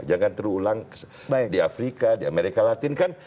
jangan terulang di afrika di amerika latin kan